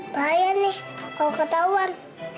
bahaya nih kok ketauan